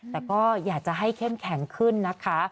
แต่ก็อยากจะให้เข้มแข็งขึ้นนะคะ